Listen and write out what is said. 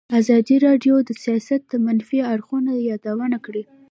ازادي راډیو د سیاست د منفي اړخونو یادونه کړې.